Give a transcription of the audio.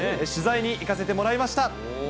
取材に行かせてもらいました。